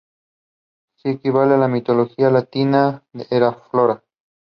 It is rich in carbon and depleted of oxygen.